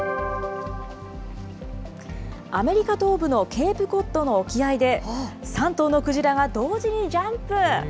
アメリカ東部のケープコッドの沖合で、３頭のクジラが同時にジャンプ。